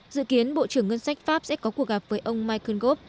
dự kiến bộ trưởng ngân sách pháp sẽ có cuộc gặp với ông michael gove